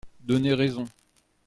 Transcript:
donné raison.